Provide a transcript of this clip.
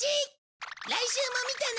来週も見てね！